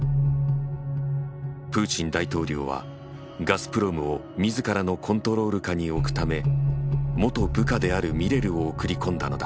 プーチン大統領はガスプロムをみずからのコントロール下に置くため元部下であるミレルを送り込んだのだ。